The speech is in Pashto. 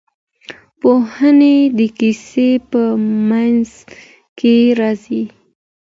پوښتنې د کیسې په منځ کې راځي.